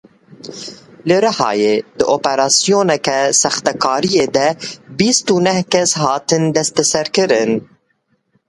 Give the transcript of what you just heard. Li Rihayê di operasyoneke sextekariyê de bîst û neh kes hatin desteserkirin.